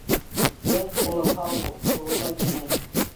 Йә, улым, һау бул, ҡулыңдан кинән...